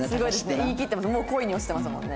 言い切ってもう恋に落ちてますもんね。